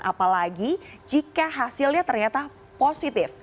apalagi jika hasilnya ternyata positif